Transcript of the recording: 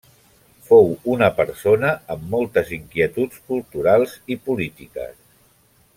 Fou una persona amb moltes inquietuds culturals i polítiques.